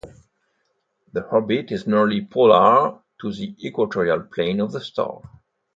The orbit is nearly polar to the equatorial plane of the star.